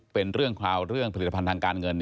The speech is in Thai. เป็นเรื่องคราวเรื่องผลิตภัณฑ์ทางการเงิน